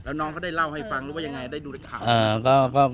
แล้วน้องเขาได้เล่าให้ฟังหรือว่ายังไงได้ดูในข่าว